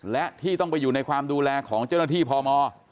และที่ต้องไปอยู่ในความดูแลของเจ้าหน้าที่พม